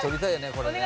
これね。